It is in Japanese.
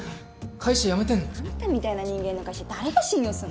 会社辞めてんの？あんたみたいな人間の会社誰が信用すんの？